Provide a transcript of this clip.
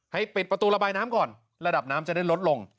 ปิดประตูระบายน้ำก่อนระดับน้ำจะได้ลดลง